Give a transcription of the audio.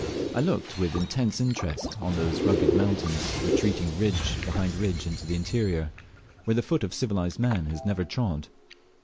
I looked with intense interest on those rugged mountains, retreating ridge behind ridge into the interior, where the foot of civilized man had never trod.